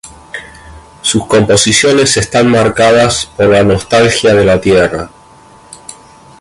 Sus composiciones están marcadas por la nostalgia de la tierra.